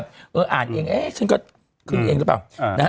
เอออ่านเองฉันก็คึกเองละเปล่า